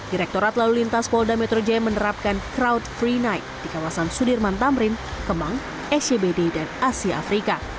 direktorat lalu lintas polda metro jaya menerapkan crowd free night di kawasan sudirman tamrin kemang scbd dan asia afrika